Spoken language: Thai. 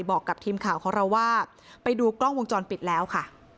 บอกกับทีมข่าวของเราว่าไปดูกล้องวงจรปิดแล้วค่ะ